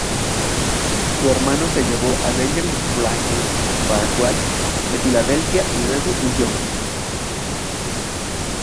Su hermano lo llevó a Benjamin Franklin Parkway de Filadelfia y luego huyó.